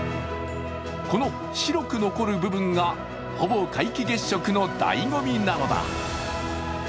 この白く残る部分がほぼ皆既月食のだいご味なのだ。